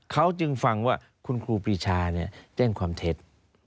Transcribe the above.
เขาจึงฟังว่าคุณครูปีชาแจ้งความเท็จ